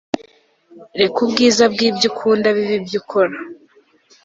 reka ubwiza bwibyo ukunda bibe ibyo ukora